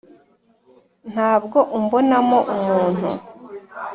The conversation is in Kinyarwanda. ntabwo umbonamo umuntu,